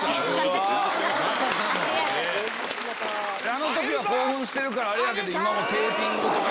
あの時は興奮してるからあれやけど。